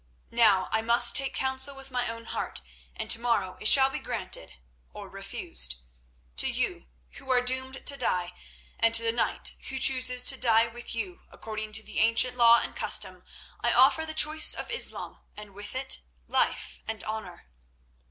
Now I must take counsel with my own heart, and to morrow it shall be granted—or refused. To you, who are doomed to die, and to the knight who chooses to die with you, according to the ancient law and custom, I offer the choice of Islam, and with it life and honour."